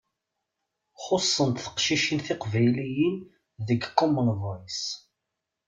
Xuṣṣent teqcicin tiqbayliyin deg Common Voice.